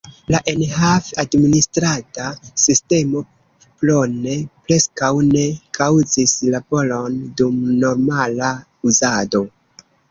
La enhav-administrada sistemo Plone preskaŭ ne kaŭzis laboron dum normala uzado.